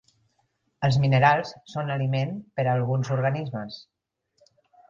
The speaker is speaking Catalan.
Els minerals són aliment per a alguns organismes.